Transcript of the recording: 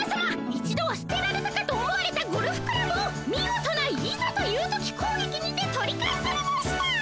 一度は捨てられたかと思われたゴルフクラブをみごとな「いざという時」こうげきにて取り返されました。